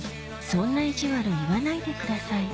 そんな意地悪言わないでください